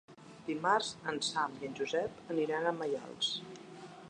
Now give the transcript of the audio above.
Dimarts en Sam i en Josep aniran a Maials.